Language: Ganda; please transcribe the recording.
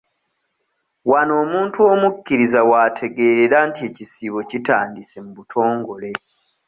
Wano omuntu omukkiriza w'ategeerera nti ekisiibo kitandise mu butongole.